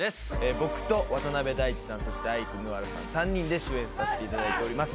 僕と渡辺大知さんそしてアイクぬわらさん３人で主演させていただいております